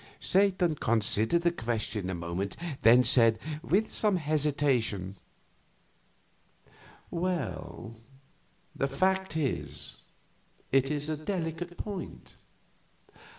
Satan considered the question a moment, then said, with some hesitation: "Well, the fact is, it is a delicate point.